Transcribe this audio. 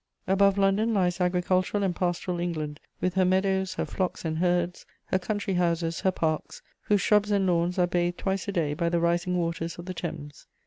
Above London lies agricultural and pastoral England, with her meadows, her flocks and herds, her country houses, her parks, whose shrubs and lawns are bathed twice a day by the rising waters of the Thames.